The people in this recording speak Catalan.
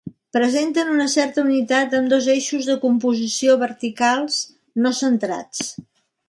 Presenten una certa unitat amb dos eixos de composició verticals, no centrats.